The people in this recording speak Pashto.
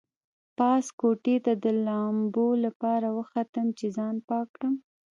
پاس کوټې ته د لامبو لپاره وختلم چې ځان پاک کړم.